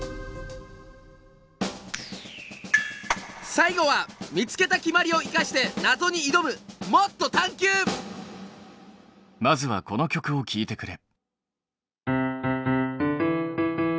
最後は見つけた決まりを生かしてなぞにいどむまずはこの曲を聞いてくれ。